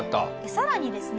さらにですね